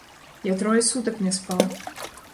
Я трое сутак не спаў.